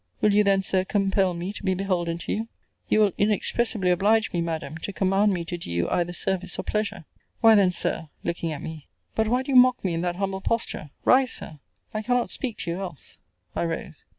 Will you then, Sir, compel me to be beholden to you? You will inexpressibly oblige me, Madam, to command me to do you either service or pleasure. Why then, Sir, [looking at me] but why do you mock me in that humble posture! Rise, Sir! I cannot speak to you else. I rose.